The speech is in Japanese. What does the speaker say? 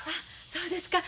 そうですか。